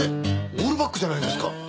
オールバックじゃないですか。